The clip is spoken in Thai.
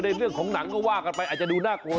เรื่องของหนังก็ว่ากันไปอาจจะดูน่ากลัว